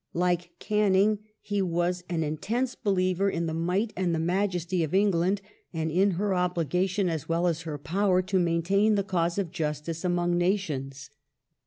Like Canning he was an ^ intense believer in the might and the majesty of England, and in/ . her obligation as well as her power to maintain the cause of justice j among nations.